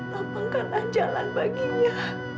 lapangkanlah jalan baginya